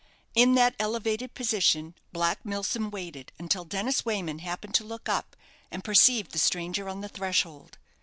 In that elevated position Black Milsom waited until Dennis Wayman happened to look up and perceive the stranger on the threshold.